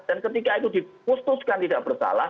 dan ketika itu dipustuskan tidak bersalah